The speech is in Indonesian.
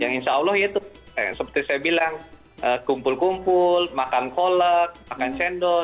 yang insya allah itu seperti saya bilang kumpul kumpul makan kolek makan cendol